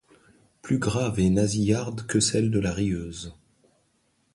Plus grave et nassillarde que celle de la Rieuse.